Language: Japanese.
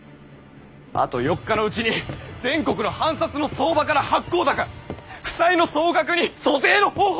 あと４日のうちに全国の藩札の相場から発行高負債の総額に租税の方法